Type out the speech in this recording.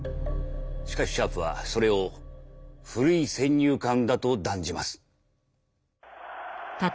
しかしシャープはそれを「古い先入観」だと断じます。